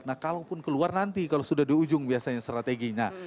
nah kalaupun keluar nanti kalau sudah di ujung biasanya strateginya